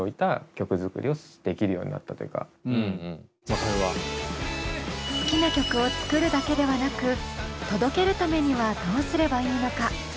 そっから割と好きな曲を作るだけではなく届けるためにはどうすればいいのか？